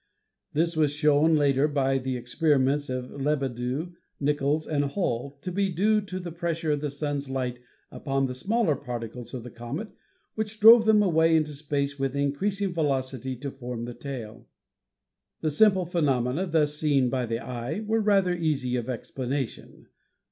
This was shown later by the experiments of Lebedew, Nichols and Hull to be due to the pressure of the Sun's light upon the smaller particles of the comet, which drove them away into space with increasing velocity to form the tail. The simple phenomena thus seen by the eye were rather easy of explanation.